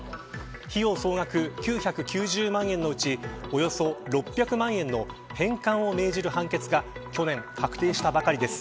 費用総額９９０万円のうちおよそ６００万円の返還を命じる判決が去年確定したばかりです。